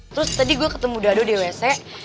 terus tadi gue ketemu dado di wc